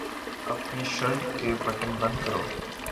اپنی شرٹ کے بٹن بند کرو